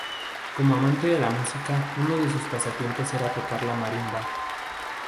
Como amante de la música uno de sus pasatiempos era tocar la marimba.